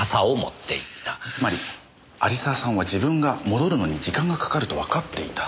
つまり有沢さんは自分が戻るのに時間がかかるとわかっていた。